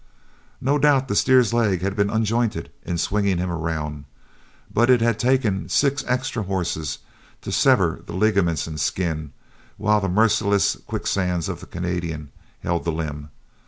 No doubt the steer's leg had been unjointed in swinging him around, but it had taken six extra horses to sever the ligaments and skin, while the merciless quicksands of the Canadian held the limb.